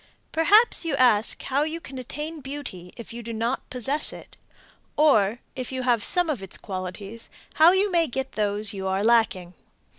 Perhaps you ask how you can attain beauty if you do not possess it; or, if you have some of its qualities, how you may get those you are lacking.